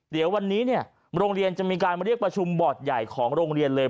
เดี๋ยววันนี้เนี่ยโรงเรียนจะมีการมาเรียกประชุมบอร์ดใหญ่ของโรงเรียนเลย